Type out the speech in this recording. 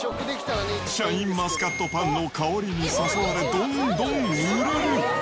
シャインマスカットパンの香りに誘われ、どんどん売れる。